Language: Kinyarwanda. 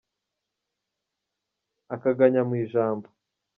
Akangaya mu ijambo